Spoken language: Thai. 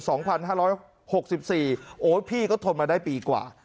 โอ้โหพี่ก็ทนมาได้ปีกว่า